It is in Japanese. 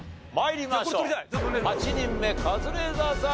８人目カズレーザーさん